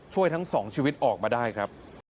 ช่วยทั้งสองชีวิตออกมาได้ครับ